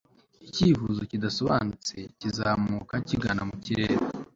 icyifuzo kidasobanutse kizamuka kigana mu kirere